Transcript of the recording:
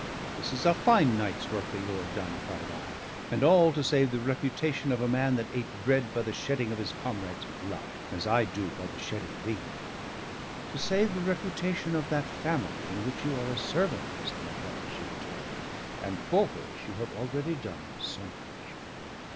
"This is a fine night's work that you have done!" cried I. "And all to save the reputation of a man that ate bread by the shedding of his comrades' blood, as I do by the shedding of ink." "To save the reputation of that family in which you are a servant, Mr. Mackellar," she returned, "and for which you have already done so much."